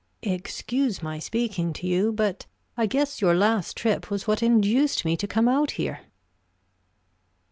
"Excuse my speaking to you, but I guess your last trip was what induced me to come out here."